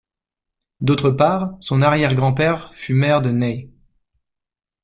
D’autre part, son arrière grand père fut maire de Nay.